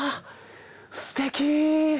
すてき。